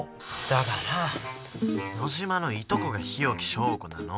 だから野嶋のいとこが日置昭子なの。